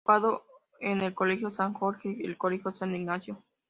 Educado en el Colegio San Jorge y el Colegio San Ignacio.